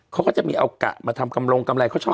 เค้าก็จะเอากะมาทำกำลงกำไร